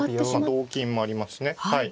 同金もありますしね。